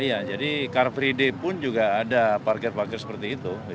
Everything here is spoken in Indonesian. iya jadi car free day pun juga ada parkir parkir seperti itu